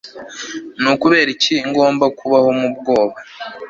ni ukubera iki ngomba kubaho mu bwoba